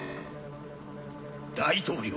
大統領！